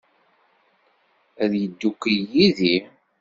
Ad yeddukel yid-i?